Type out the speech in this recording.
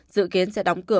dự kiến sẽ đóng cửa vô thần